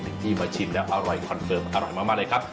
ที่มาชิมแล้วอร่อยคอนเฟิร์มอร่อยมากเลยครับ